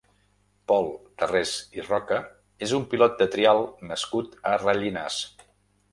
Pol Tarrés i Roca és un pilot de trial nascut a Rellinars.